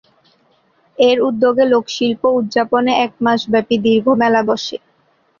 এর উদ্যোগে লোকশিল্প উদযাপনে এক মাসব্যাপী দীর্ঘ মেলা বসে।